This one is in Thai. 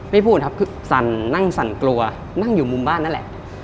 พูดครับคือสั่นนั่งสั่นกลัวนั่งอยู่มุมบ้านนั่นแหละ